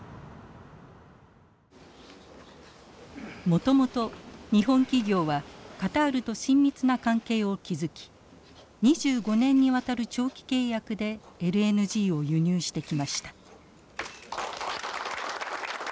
もともと日本企業はカタールと親密な関係を築き２５年にわたる長期契約でＬＮＧを輸入してきました。